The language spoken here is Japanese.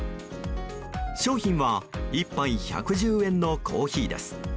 商品は１杯１１０円のコーヒーです。